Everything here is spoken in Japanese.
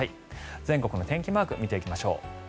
全国の天気マーク見ていきましょう。